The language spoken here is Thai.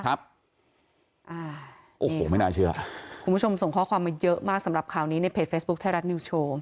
โอ้โหไม่น่าเชื่อคุณผู้ชมส่งข้อความมาเยอะมากสำหรับข่าวนี้ในเพจเฟซบุ๊คไทยรัฐนิวโชว์